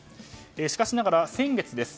しかしながら、先月です。